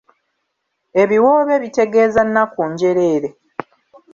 Ebiwoobe bitegeeza nnaku njereere.